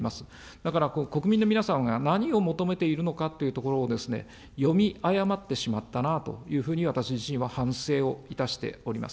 だから、国民の皆さんが何を求めているのかっていうところを読み誤ってしまったなというふうに私自身は反省をいたしております。